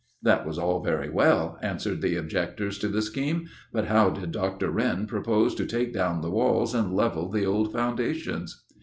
'That was all very well,' answered the objectors to the scheme; but how did Dr. Wren propose to take down the walls and level the old foundations?